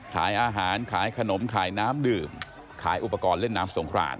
ขายอาหารขายขนมขายน้ำดื่มขายอุปกรณ์เล่นน้ำสงคราน